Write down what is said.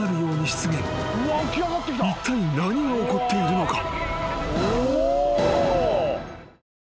［いったい何が起こっているのか？］